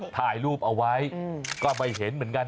ถ่ายรูปเอาไว้ก็ไม่เห็นเหมือนกัน